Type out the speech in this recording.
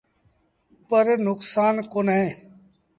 پر نڪسآݩ ڪونهي۔